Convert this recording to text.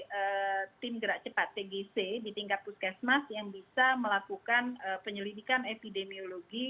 ada tim gerak cepat tgc di tingkat puskesmas yang bisa melakukan penyelidikan epidemiologi